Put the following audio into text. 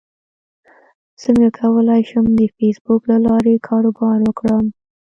څنګه کولی شم د فېسبوک له لارې کاروبار وکړم